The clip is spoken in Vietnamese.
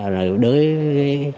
rồi đối với